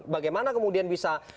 bagaimana kemudian bisa